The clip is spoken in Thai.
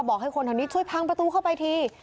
บอกให้คนทางนี้ช่วยพังประตูเข้าไปที